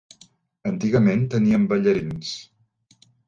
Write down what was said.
Antigament, teníem ballarins.